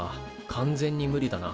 完全に無理だな。